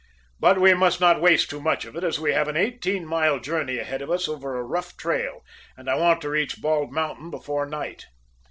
But we must not waste too much of it, as we have an eighteen mile journey ahead of us over a rough trail, and I want to reach Bald Mountain before night.